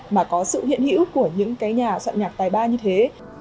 mà có sự hiện hữu của những cái nhà soạn nhạc tài ba như thế